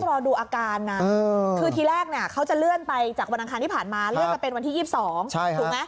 รอดูอาการนะคือทีแรกเนี่ยเขาจะเลื่อนไปจากวันอังคารที่ผ่านมาเลื่อนจะเป็นวันที่๒๒ถูกไหม